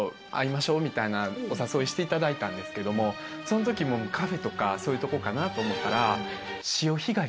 みたいなお誘いしていただいたんですけどもそんときもカフェとかそういうとこかなと思ったら。